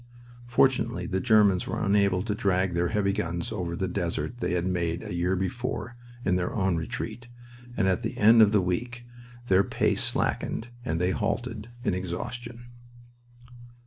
Fortunately the Germans were unable to drag their heavy guns over the desert they had made a year before in their own retreat, and at the end of a week their pace slackened and they halted, in exhaustion.